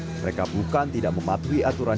mereka bukan tidak mematuhi aturan